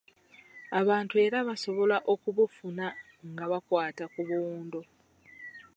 Abantu era basobola okubufuna nga bakwata ku buwundo.